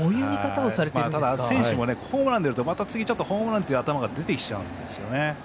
ただ、選手もホームラン出るとまた次もホームランっていう頭が出てくるんです。